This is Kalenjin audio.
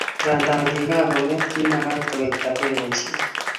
nganda kikakonget kimakat kowektakei poishet